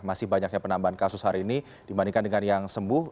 masih banyaknya penambahan kasus hari ini dibandingkan dengan yang sembuh